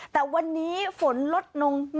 แต่วันนี้ฝนลดนมนิดหน่อย